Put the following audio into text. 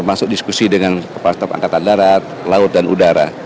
termasuk diskusi dengan pak tepang angkatan darat laut dan udara